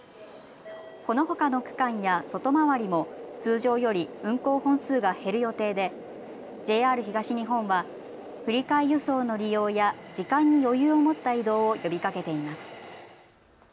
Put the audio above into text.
このほかの区間や外回りも通常より運行本数が減る予定でＪＲ東日本は振り替え輸送の利用や時間に余裕を持った移動を呼びかけています。